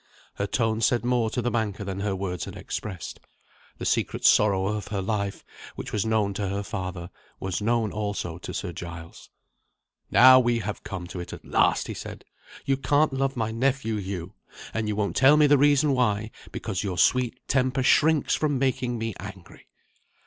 Her tone said more to the banker than her words had expressed. The secret sorrow of her life, which was known to her father, was known also to Sir Giles. "Now we have come to it at last!" he said. "You can't love my nephew Hugh. And you won't tell me the reason why, because your sweet temper shrinks from making me angry.